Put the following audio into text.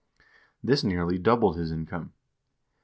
This nearly doubled his income.